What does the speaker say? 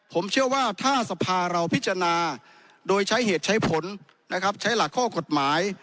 ผมเชื่อว่าถ้าสภาเราพิจารณาโดยใช้เหตุใช้ผลนะครับใช้หลักข้อกฎหมาย